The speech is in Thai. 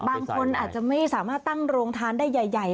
บางคนอาจจะไม่สามารถตั้งโรงทานได้ใหญ่